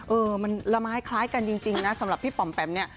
เออมันละไม้คล้ายกันจริงนะสำหรับพี่ป๋อมแปมเนี่ย